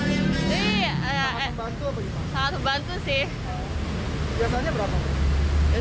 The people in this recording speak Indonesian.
ini sangat membantu apa gimana